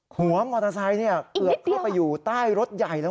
หัวมอเตอร์ไซค์เกือบเข้าไปอยู่ใต้รถใหญ่เลย